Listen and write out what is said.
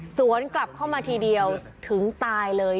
สวนกลับเข้ามาทีเดียวถึงตายเลย